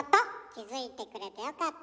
気付いてくれてよかった。